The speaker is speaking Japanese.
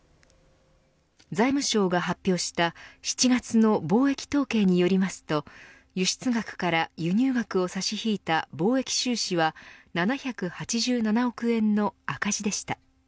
財務省が発表した７月の貿易統計によりますと輸出額から輸入額を差し引いた貿易収支は７８７億円の赤字でした。